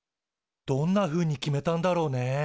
どんなふうに決めたんだろうね。